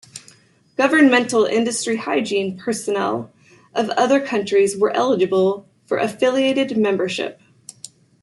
Governmental industrial hygiene personnel of other countries were eligible for affiliated membership.